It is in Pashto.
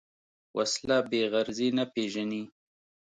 وسله بېغرضي نه پېژني